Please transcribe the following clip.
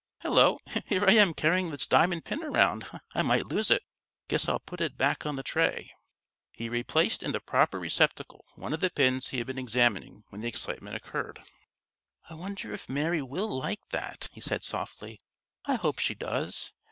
Hello, here I am carrying this diamond pin around. I might lose it. Guess I'll put it back on the tray." He replaced in the proper receptacle one of the pins he had been examining when the excitement occurred. "I wonder if Mary will like that?" he said, softly. "I hope she does.